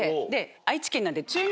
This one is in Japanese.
愛知県なんで。